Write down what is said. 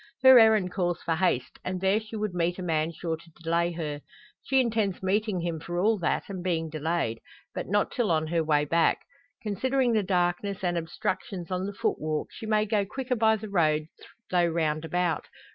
Her errand calls for haste, and there she would meet a man sure to delay her. She intends meeting him for all that, and being delayed; but not till on her way back. Considering the darkness and obstructions on the footwalk she may go quicker by the road though roundabout.